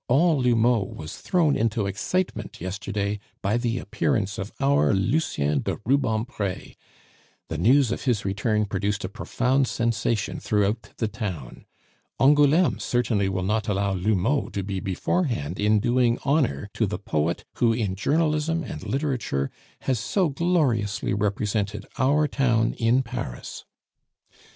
All L'Houmeau was thrown into excitement yesterday by the appearance of our Lucien de Rubempre. The news of his return produced a profound sensation throughout the town. Angouleme certainly will not allow L'Houmeau to be beforehand in doing honor to the poet who in journalism and literature has so gloriously represented our town in Paris.